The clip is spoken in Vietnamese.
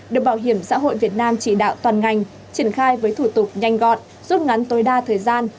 được bảo hiểm xã hội việt nam chỉ đạo toàn ngành triển khai với thủ tục nhanh gọn rút ngắn tối đa thời gian